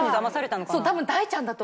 そう多分大ちゃんだと。